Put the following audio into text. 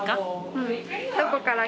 うん。